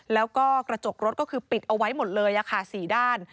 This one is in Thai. แล้วก็กระจกรถก็คือปิดเอาไว้หมดเลย๔ด้าน